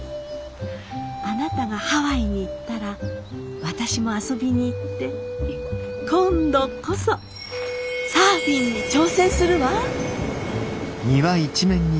あなたがハワイに行ったら私も遊びに行って今度こそサーフィンに挑戦するわ」。